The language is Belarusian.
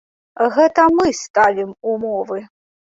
Гэта мы ставім умовы.